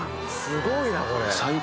すごいなこれ。